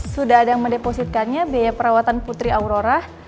sudah ada yang mendepositkannya biaya perawatan putri aurorah